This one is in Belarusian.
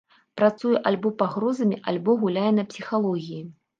Працуе альбо пагрозамі, альбо гуляе на псіхалогіі.